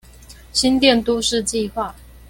新店都市計畫